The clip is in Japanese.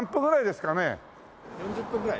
４０分ぐらい。